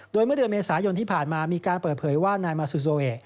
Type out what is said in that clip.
โดยเมื่อเดือนเมษายนที่ผ่านมามีการเปิดเผยว่านายมาซูโซเอะ